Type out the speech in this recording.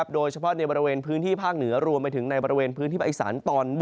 โดยเฉพาะในพื้นที่ภาคเหนือรวมไปถึงในพื้นที่ไปสาร